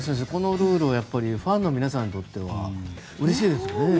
このルールはファンの皆さんにとってはうれしいですね。